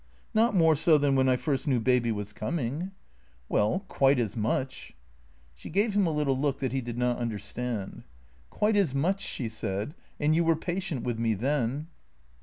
" Not more so than when I first knew Baby was coming." THECEEATORS 327 "Well, quite as much/' She gave him a little look that he did not understand. " Quite as much/' she said. " And you were patient with me then."